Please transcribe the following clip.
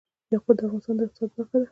یاقوت د افغانستان د اقتصاد برخه ده.